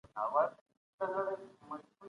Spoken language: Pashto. ګوندونه به خپل کشمکشونه پای ته ونه رسوي.